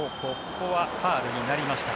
ここはファウルになりました。